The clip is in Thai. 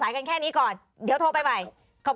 เรื่องนี้ยาวค่ะ